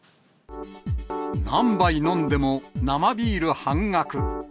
何杯飲んでも生ビール半額。